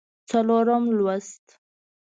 څلورم لوست